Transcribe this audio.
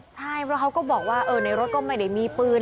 ใช่เพราะเขาก็บอกว่าในรถก็ไม่ได้มีปืน